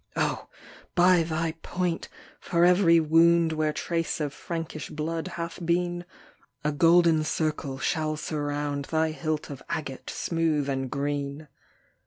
O ! by thy point ! for every wound Where trace of Frankish blood hath been, A golden circle shall surround Thy hilt of agate smooth and green.